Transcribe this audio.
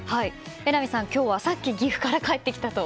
榎並さん、今日はさっき岐阜から帰ってきたと。